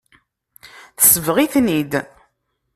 Tesbeɣ-iten-id.